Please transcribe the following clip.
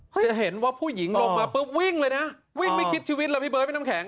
จะเห็นว่าผู้หญิงลงมาปุ๊บวิ่งเลยนะวิ่งไม่คิดชีวิตแล้วพี่เบิร์ดพี่น้ำแข็ง